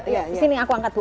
di sini aku angkat bu